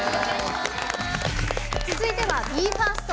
続いてはＢＥ：ＦＩＲＳＴ。